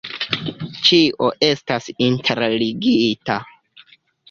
Ĉio estas interligita.